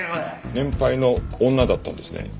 年配の女だったんですね？